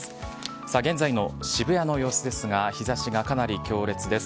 さあ、現在の渋谷の様子ですが、日ざしがかなり強烈です。